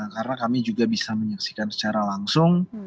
karena kami juga bisa menyaksikan secara langsung